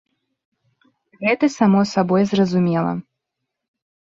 Гэта само сабой зразумела.